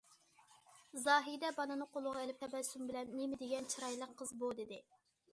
زاھىدە بالىنى قولىغا ئېلىپ تەبەسسۇم بىلەن:‹‹ نېمە دېگەن چىرايلىق قىز بۇ››، دېدى.